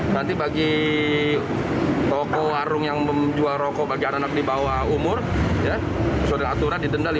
nanti bagi toko warung yang menjual rokok bagi anak anak di bawah umur sudah aturan didenda lima ratus